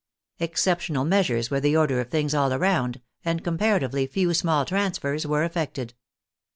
Exceptional measures were the order of things all around, and comparatively few small transfers were effected.